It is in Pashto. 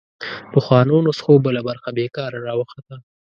پخوانو نسخو بله برخه بېکاره راوخته